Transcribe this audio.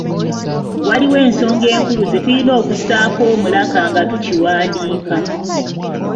Waliwo ensonga enkulu ze tulina okussaako omulaka nga tukiwandiika.